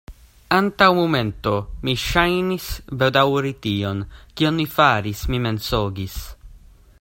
Antaŭ momento, mi ŝajnis bedaŭri tion, kion mi faris: mi mensogis.